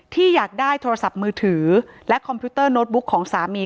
อยากได้โทรศัพท์มือถือและคอมพิวเตอร์โน้ตบุ๊กของสามี